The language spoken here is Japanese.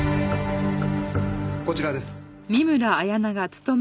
こちらです。